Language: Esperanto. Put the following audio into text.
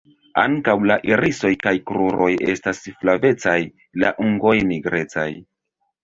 Ankaŭ la irisoj kaj kruroj estas flavecaj; la ungoj nigrecaj.